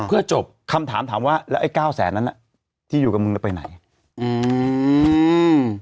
เพื่อจบคำถามถามว่าแล้วไอ้เก้าแสนนั้นอ่ะที่อยู่กับมึงแล้วไปไหนอืม